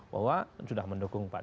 bahwa sudah mendukung pan